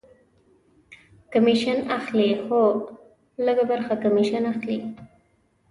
کمیشن اخلي؟ هو، لږ ه برخه کمیشن اخلی